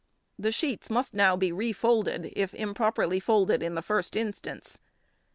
The sheets must now be refolded, if improperly folded in the first instance.